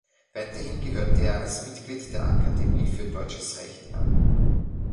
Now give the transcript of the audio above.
Weiterhin gehörte er als Mitglied der Akademie für Deutsches Recht an.